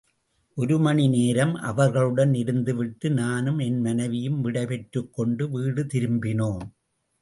ஒருமணி நேரம் அவர்களுடன் இருந்துவிட்டு நானும் என் மனைவியும் விடை பெற்றுக்கொண்டு வீடு திரும்பினோம்.